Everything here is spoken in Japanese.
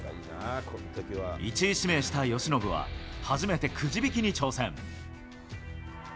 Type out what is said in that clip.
１位指名した由伸は、初めてくじ引きに挑戦。